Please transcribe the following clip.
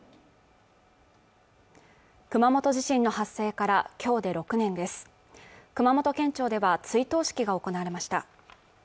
熊本地震の発生からきょうで６年です熊本県庁では追悼式が行われました